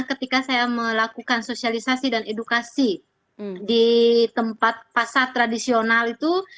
ketika saya melakukan sosialisasi dan edukasi di tempat pasar tradisional itu